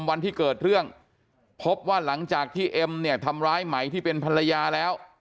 วันที่เกิดเรื่องพบว่าหลังจากที่เอ็มเนี่ยทำร้ายไหมที่เป็นภรรยาแล้ว